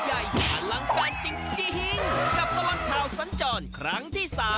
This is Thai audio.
ยิ่งใหญ่หลังการจริงกับกำลังเท่าสันจรครั้งที่๓